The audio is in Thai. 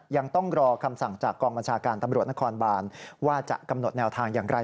ยังต้องรอคำสั่งจากกองบัญชาการตำรวจนครบานว่าจะกำหนดแนวทางอย่างไร